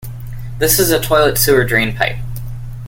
This is a toilet sewer drain pipe.